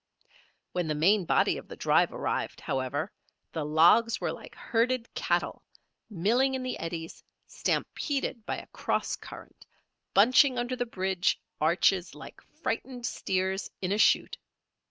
When the main body of the drive arrived, however, the logs were like herded cattle, milling in the eddies, stampeded by a cross current, bunching under the bridge arches like frightened steers in a chute.